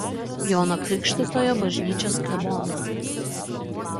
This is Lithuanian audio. Jono Krikštytojo bažnyčios klebonu.